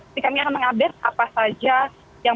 ini kami akan mengabit apa saja yang